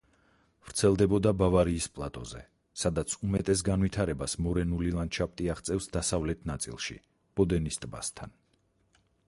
ვრცელდებოდა ბავარიის პლატოზე, სადაც უმეტეს განვითარებას მორენული ლანდშაფტი აღწევს დასავლეთ ნაწილში, ბოდენის ტბასთან.